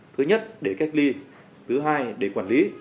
thứ nhất để cách ly thứ hai để quản lý